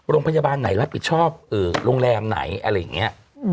โรงพยาบาลไหนรับผิดชอบโรงแรมไหนอะไรอย่างนี้